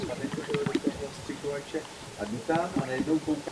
Většina postav reprezentuje "potěšení z Versailles".